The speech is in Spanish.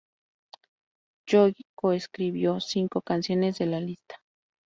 Lloyd coescribió cinco canciones de la lista.